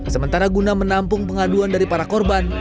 sementara guna menampung pengaduan dari para korban